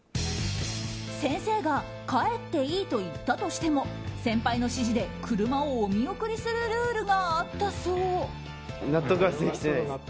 先生が帰っていいと言ったとしても先輩の指示で車をお見送りするルールがあったそう。